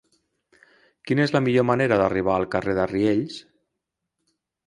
Quina és la millor manera d'arribar al carrer de Riells?